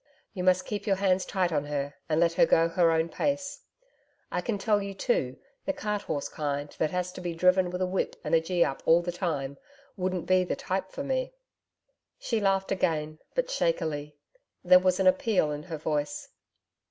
You must keep your hands tight on her and let her go her own pace. I can tell you, too, the cart horse kind that has to be driven with a whip and a "gee up" all the time wouldn't be the type for me.' She laughed gain, but shakily. There was an appeal in her voice.